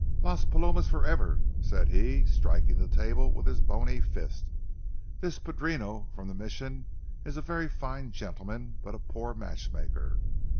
"Las Palomas forever!" said he, striking the table with his bony fist. "This padrino from the Mission is a very fine gentleman but a poor matchmaker.